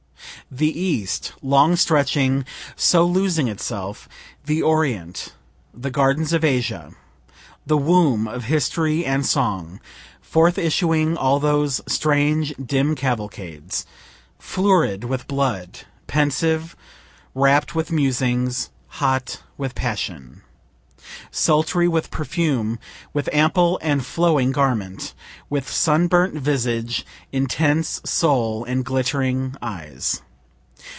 The East long stretching so losing itself the orient, the gardens of Asia, the womb of history and song forth issuing all those strange, dim cavalcades Florid with blood, pensive, rapt with musings, hot with passion. Sultry with perfume, with ample and flowing garment. With sunburnt visage, intense soul and glittering eyes.